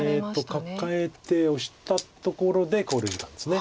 カカえてオシたところで考慮時間です。